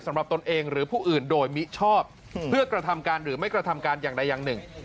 ตนเองหรือผู้อื่นโดยมิชอบเพื่อกระทำการหรือไม่กระทำการอย่างใดอย่างหนึ่ง